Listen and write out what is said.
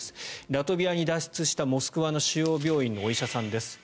ラトビアに脱出したモスクワの主要病院のお医者さんです。